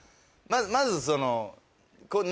まずその。